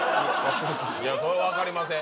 それは分かりません。